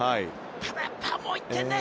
ただ、やっぱりもう１点ね。